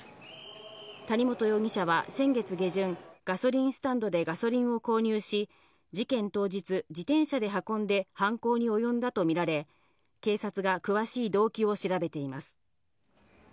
谷本容疑者は先月下旬、ガソリンスタンドでガソリンを購入し、事件当日、自転車で運んで犯行に及んだとみられ、警察が詳しい動機を調べています。